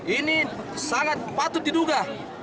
ini sangat patut diduga